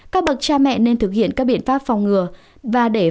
các bậc cha mẹ nên thực hiện các biện pháp phòng ngừa